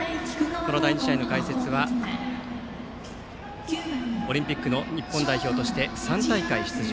この第２試合の解説はオリンピックの日本代表として３大会出場。